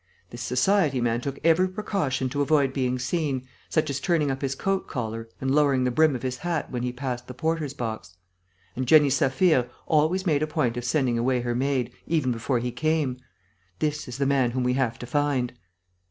This society man took every precaution to avoid being seen, such as turning up his coat collar and lowering the brim of his hat when he passed the porter's box. And Jenny Saphir always made a point of sending away her maid, even before he came. This is the man whom we have to find."